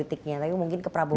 ya kan tapi mungkin ke prabowo